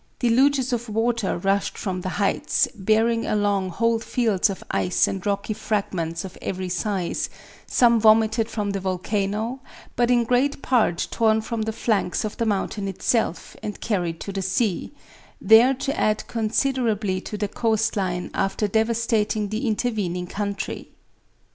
Deluges of water rushed from the heights, bearing along whole fields of ice and rocky fragments of every size, some vomited from the volcano, but in great part torn from the flanks of the mountain itself and carried to the sea, there to add considerably to the coastline after devastating the intervening country.